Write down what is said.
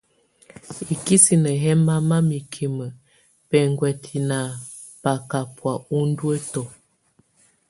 Ikisine yɛ mama mikime bɛnguɛtɛ na bakabɔa unduətɔ.